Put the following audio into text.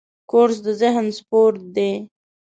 کورس د ذهن سپورټ دی.